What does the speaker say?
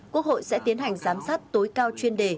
quốc hội sẽ tiến hành giám sát tối cao chuyên đề